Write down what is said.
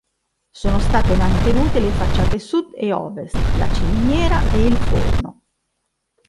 Sono state mantenute le facciate sud e ovest, la ciminiera e il forno.